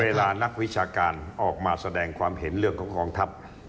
เวลานักวิชาการออกมาแสดงความเห็นเรื่องของกองทัพ